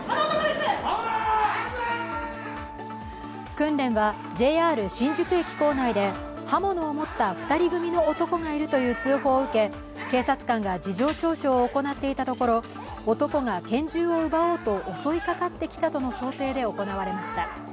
訓練はＪＲ新宿駅構内で刃物を持った２人組の男がいるという通報を受け警察官が事情聴取を行っていたところ、男が拳銃を奪おうと襲いかかってきたとの想定で行われました。